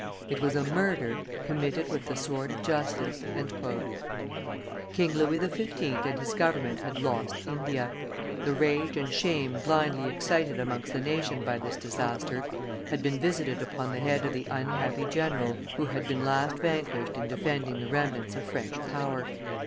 "It was a murder committed with the sword of justice." King Louis XV. and his government had lost India; the rage and shame blindly excited amongst the nation by this disaster had been visited upon the head of the unhappy general who had been last vanquished in defending the remnants of French power.